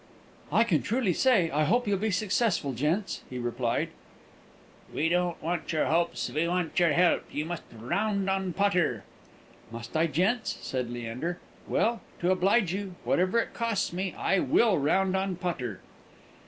"I can truly say, I hope you'll be successful, gents," he replied. "We don't want your hopes, we want your help. You must round on Potter." "Must I, gents?" said Leander. "Well, to oblige you, whatever it costs me, I will round on Potter."